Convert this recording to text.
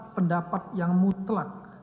pendapat yang mutlak